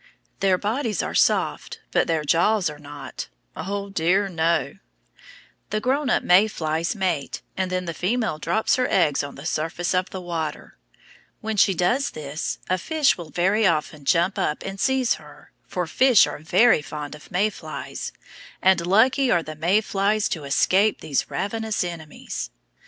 Their bodies are soft, but their jaws are not. O dear, no! The grown up May flies mate, and then the female drops her eggs on the surface of the water. When she does this a fish will very often jump up and seize her, for fish are very fond of May flies, and lucky are the May flies to escape these ravenous enemies.